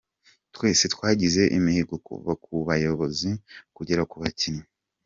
Twese twagize imihigo kuva ku bayobozi kugera ku bakinnyi.